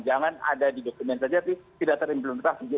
jangan ada di dokumen saja tapi tidak terimplementasi